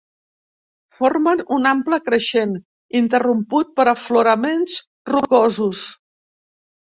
Formen un ample creixent, interromput per afloraments rocosos.